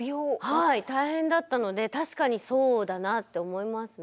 はい大変だったので確かにそうだなって思いますね。